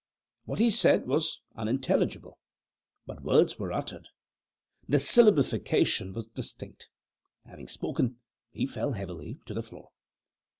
What he said was unintelligible, but words were uttered; the syllabification was distinct. Having spoken, he fell heavily to the floor.